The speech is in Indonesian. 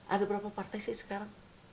ada berapa partai sih sekarang